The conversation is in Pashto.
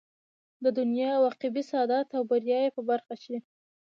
د دنيا او عقبى سعادت او بريا ئې په برخه شي